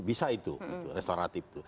bisa itu restoratif itu